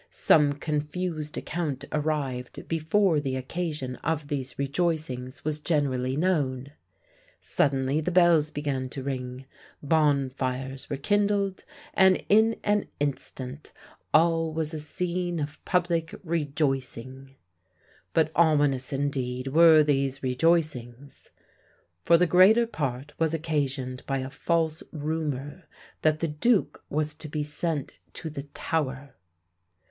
Some confused account arrived before the occasion of these rejoicings was generally known. Suddenly the bells began to ring; bonfires were kindled; and in an instant all was a scene of public rejoicing. But ominous indeed were these rejoicings; for the greater part was occasioned by a false rumour that the duke was to be sent to the Tower.